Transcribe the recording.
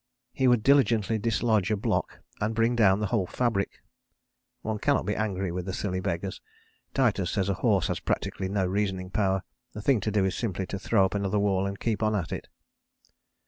He would diligently dislodge a block, and bring down the whole fabric. One cannot be angry with the silly beggars Titus says a horse has practically no reasoning power, the thing to do is simply to throw up another wall and keep on at it.